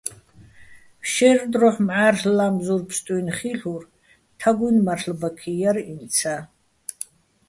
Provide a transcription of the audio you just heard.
შაჲრ დროჰ̦ მჵა́რლ' ლა́მზურ ფსტუჲნო̆ ხილ'ურ, თაგუ́ჲნი̆ მარლ'ბაქი ჲარ ინცა́.